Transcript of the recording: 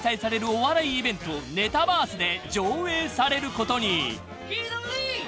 お笑いイベントネタバースで上映されることに］